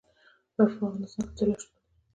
په افغانستان کې طلا شتون لري.